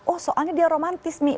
oh soalnya dia romantis nih